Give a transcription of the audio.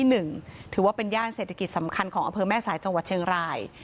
ถือว่าเป็นย่านเศรษฐกิจสำคัญของอำเภอแม่สายจังหวัดเชียงราย